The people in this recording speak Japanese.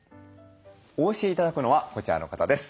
お教え頂くのはこちらの方です。